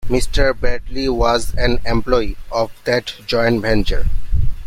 Mr. Bradley was an employee of that joint venture.